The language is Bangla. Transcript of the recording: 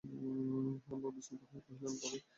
হারানবাবু বিস্মিত হইয়া কহিলেন, তবে?